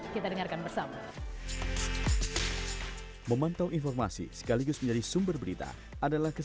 pertanyaan untuk cnn indonesia adalah